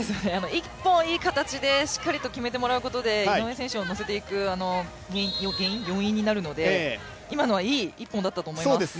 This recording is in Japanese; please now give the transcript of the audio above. １本、いい形でしっかりと決めてもらうことで井上選手を乗せていく要因になるので今のは、いい１本だったと思います。